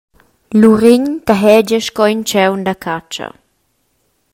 Luregn tahegia sco in tgaun da catscha.